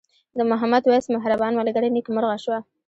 د محمد وېس مهربان ملګرتیا نیکمرغه شوه.